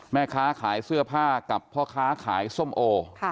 แม่ค้าขายเสื้อผ้ากับพ่อค้าขายส้มโอ